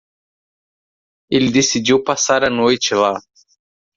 Ele decidiu passar a noite lá.